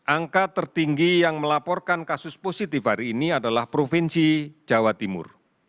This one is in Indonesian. angka tertinggi yang melaporkan kasus positif hari ini adalah provinsi jawa timur